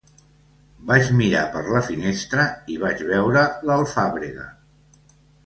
Vaig mirar per la finestra i vaig veure l'alfàbrega.